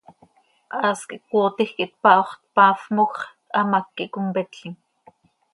Haas quih cöcootij quih tpaho x, tpafmoj x, hamác quih competlim.